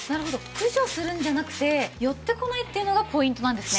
駆除するんじゃなくて寄ってこないっていうのがポイントなんですね。